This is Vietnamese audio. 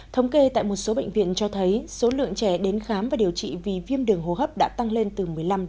thống kê tại một số bệnh viện cho thấy số lượng trẻ đến khám và điều trị vì viêm đường hô hấp đã tăng lên từ một mươi năm